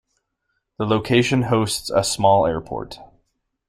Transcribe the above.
The location hosts a small airport.